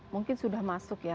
mungkin sudah masuk ya